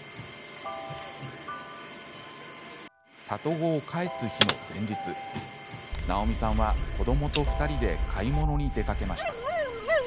里子を返す日の前日なおみさんは子どもと２人で買い物に出かけました。